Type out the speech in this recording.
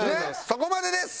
そこまでです。